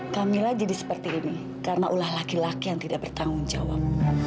kamilah jadi seperti ini karena ulah laki laki yang tidak bertanggung jawab